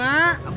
mau beli bunga